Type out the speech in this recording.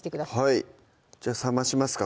はいじゃ冷ましますか